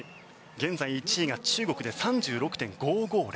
現在１が中国で３６．５５０。